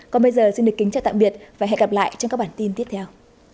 còn bây giờ xin được kính chào tạm biệt và hẹn gặp lại trong các bản tin tiếp theo